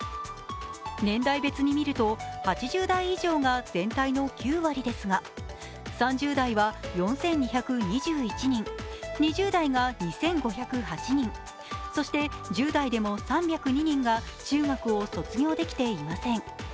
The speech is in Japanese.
年代別に見ると８０代以上が全体の９割ですが３０代は４２２１人、２０代が２５０８人、そして１０代でも３０２人が中学を卒業できていません。